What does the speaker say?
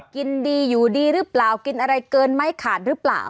กินดีอยู่ดีหรือเปล่ากินอะไรเกินไหมขาดหรือเปล่า